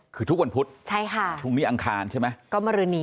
คือทุกวันพุธพรุ่งนี้อังคารใช่ไหม